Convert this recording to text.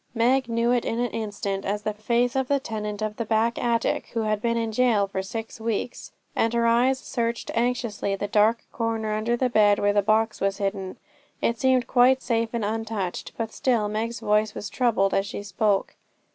Meg knew it in an instant as the face of the tenant of the back attic, who had been in jail for six weeks, and her eye searched anxiously the dark corner under the bed, where the box was hidden. It seemed quite safe and untouched, but still Meg's voice was troubled as she spoke.